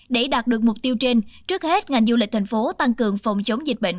để đạt được mục tiêu trên trước hết ngành du lịch thành phố tăng cường phòng chống dịch bệnh